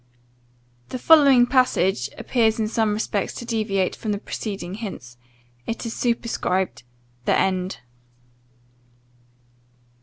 [The following passage appears in some respects to deviate from the preceding hints. It is superscribed] "THE END.